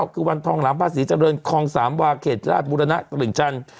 คือวันทองหลามภาษีเจริญคลองสามวาเขตราชบุรณะตลิ่งจันทร์